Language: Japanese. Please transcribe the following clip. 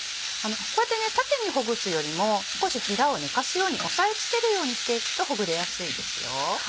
こうやって縦にほぐすよりも少しへらを寝かすように押さえ付けるようにしていくとほぐれやすいですよ。